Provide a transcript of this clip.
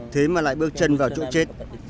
thế mà lại bước chân vào chỗ trẻ